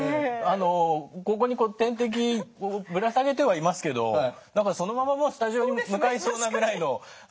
ここに点滴をぶら下げてはいますけどそのままスタジオに向かいそうなぐらいの足取りですもんね。